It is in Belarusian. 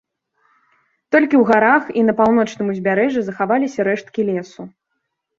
Толькі ў гарах і на паўночным ўзбярэжжы захаваліся рэшткі лесу.